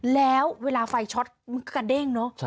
แล้วเวลาไฟช็อตมันกระเด้งเนอะ